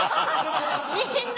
みんな？